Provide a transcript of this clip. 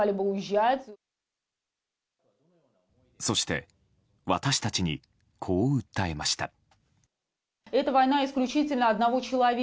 そして私たちにこう訴えました。